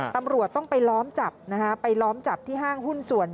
ตำรวจต้องไปล้อมจับนะฮะไปล้อมจับที่ห้างหุ้นส่วน